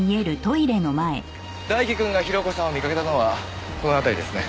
大輝くんが広子さんを見かけたのはこの辺りですね。